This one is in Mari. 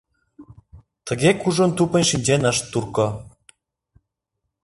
Тыге кужун тупынь шинчен ышт турко.